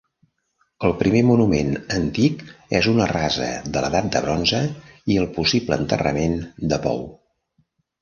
El primer monument antic és una rasa de l'edat de bronze i el possible enterrament de pou.